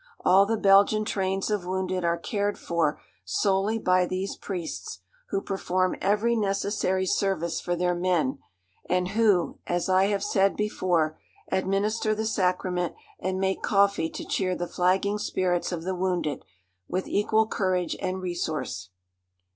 All the Belgian trains of wounded are cared for solely by these priests, who perform every necessary service for their men, and who, as I have said before, administer the sacrament and make coffee to cheer the flagging spirits of the wounded, with equal courage and resource.